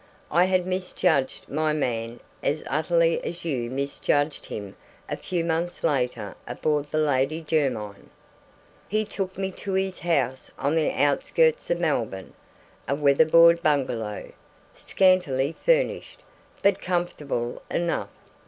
I had misjudged my man as utterly as you misjudged him a few months later aboard the Lady Jermyn. He took me to his house on the outskirts of Melbourne, a weather board bungalow, scantily furnished, but comfortable enough.